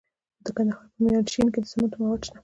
د کندهار په میانشین کې د سمنټو مواد شته.